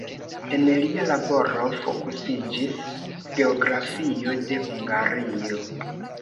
En lia laboro fokusiĝis geografio de Hungario.